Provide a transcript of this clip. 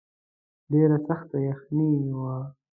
ډېره سخته یخني وه.